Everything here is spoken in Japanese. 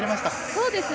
そうですね。